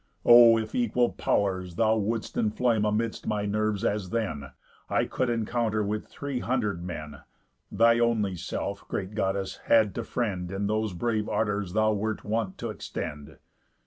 O if equal pow'rs Thou wouldst enflame amidst my nerves as then, I could encounter with three hundred men, Thy only self, great Goddess, had to friend, In those brave ardors thou wert wont t' extend!"